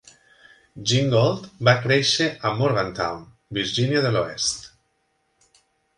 Gingold va créixer a Morgantown, Virgínia de l'Oest.